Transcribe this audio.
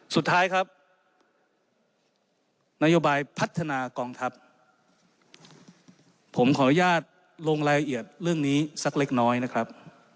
สุดท้ายครับนโยบายพัฒนากองทัพผมขออนุญาตลงรายละเอียดเรื่องนี้สักเล็กน้อยนะครับ